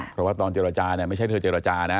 เพราะว่าตอนเจรจาเนี่ยไม่ใช่เธอเจรจานะ